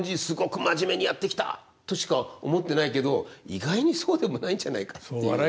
すごく真面目にやってきたとしか思ってないけど意外にそうでもないんじゃないかっていう。